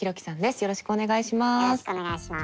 よろしくお願いします。